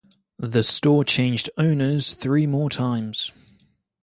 The store changed owners three more times.